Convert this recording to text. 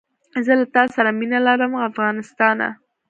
زه له تاسره مینه لرم افغانستانه